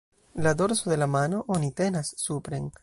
La dorso de la mano oni tenas supren.